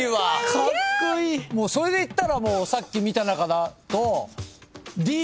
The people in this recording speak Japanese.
それでいったらさっき見た中だと。